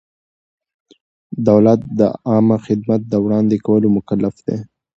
دولت د عامه خدمت د وړاندې کولو مکلف دی.